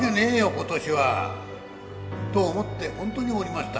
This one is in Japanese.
今年はと思って本当におりました。